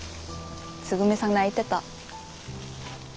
つぐみさん泣いてた。